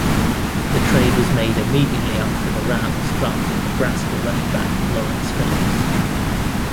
The trade was made immediately after the Rams drafted Nebraska running back Lawrence Phillips.